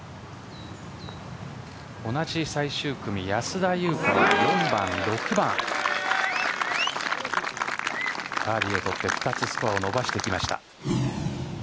同じ最終組、安田祐香は４番、６番バーディーを取って２つスコアを伸ばしてきました。